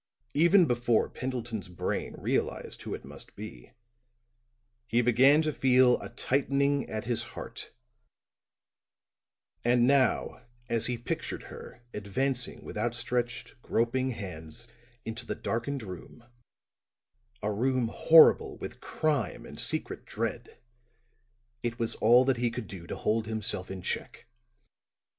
Even before Pendleton's brain realized who it must be, he began to feel a tightening at his heart; and now as he pictured her advancing with outstretched, groping hands into the darkened room a room horrible with crime and secret dread it was all that he could do to hold himself in check.